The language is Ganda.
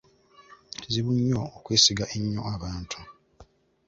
Kizibu nnyo okwesiga ennyo abantu.